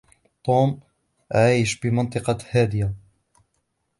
طوم عايش بمنطقة هادية